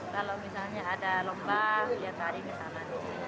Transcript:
kalau misalnya ada lomba dia tarik ke sana